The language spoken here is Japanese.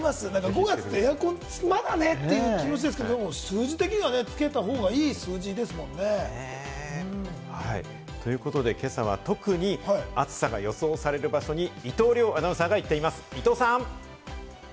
５月はまだねという感じですが、数字的にはつけた方がいい数字ですもんね。ということで、今朝は特に暑さが予想される場所に伊藤遼アナウンサーが行っています、伊藤さん。